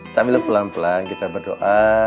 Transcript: sambil pelan pelan kita berdoa